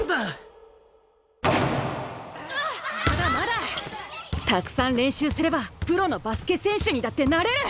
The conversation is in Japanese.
心の声たくさん練習すればプロのバスケ選手にだってなれる！